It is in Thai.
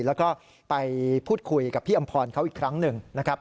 แล้วก็ไปพูดคุยกับพี่อำพรเขาอีกครั้งหนึ่งนะครับ